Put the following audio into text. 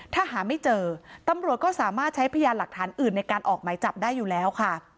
ถ้าหาไม่เจอตำรวจก็สามารถใช้พยานหลักฐานอื่นในการออกหมายจับได้อยู่แล้วค่ะ